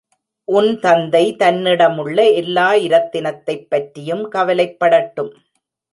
உன்தந்தை தன்னிடமுள்ள எல்லா இரத்தினத்தைப்பற்றியும் கவலைப்படட்டும்.